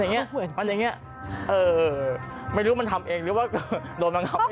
มันอย่างเงี้ยไม่รู้มันทำเองหรือว่าโดนมันทำเอง